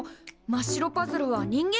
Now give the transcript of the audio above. まっ白パズルは人間